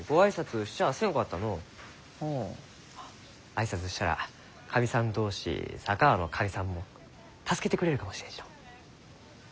挨拶したら神さん同士佐川の神さんも助けてくれるかもしれんしのう。